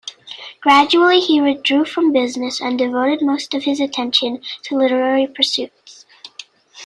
Gradually he withdrew from business and devoted most of his attention to literary pursuits.